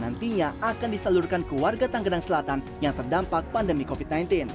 nantinya akan disalurkan ke warga tanggerang selatan yang terdampak pandemi covid sembilan belas